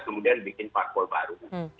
kemudian bikin parkour baru